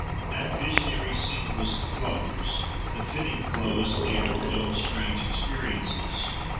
That visionary scene was the close, the fitting close, of the afternoon's strange experiences.